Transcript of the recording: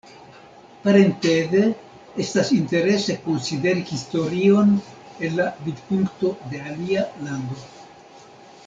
Parenteze, estas interese konsideri historion el la vidpunkto de alia lando.